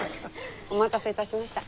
お待たせいたしました。